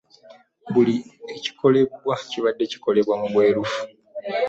Buli ekikolebwa kibadde kikolebwa mu bwerufu.